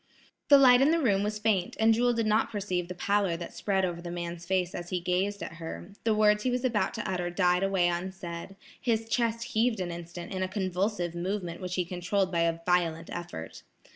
The light in the room was faint, and Jewel did not perceive the pallor that spread over the man's face as he gazed at her; the words he was about to utter died away unsaid, his chest heaved an instant in a convulsive movement which he controlled by a violent effort.